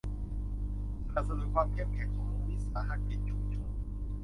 สนับสนุนความเข้มแข็งของวิสาหกิจชุมชน